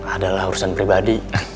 adalah urusan pribadi